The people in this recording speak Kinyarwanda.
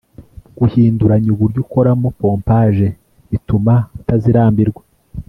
guhinduranya uburyo ukoramo pompaje bituma utazirambirwa